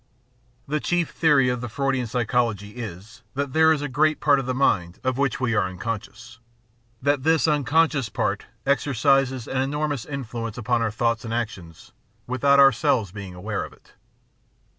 The chief theory of the Freudian psychology is, that there is a great part of the mind of which we are unconscious; that this unconscious part exercises an enormous influence upon our thoughts and actions, without ourselves being aware of it.